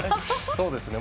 そうですね。